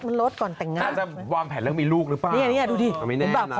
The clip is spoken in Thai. เป็นออกกำลังหมันรดไหว้โรดก่อนแต่งนาก